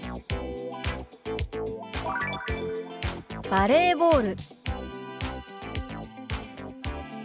「バレーボール」。